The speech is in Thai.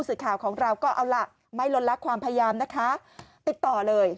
สื่อข่าวของเราก็เอาล่ะไม่ลดลักความพยายามนะคะติดต่อเลย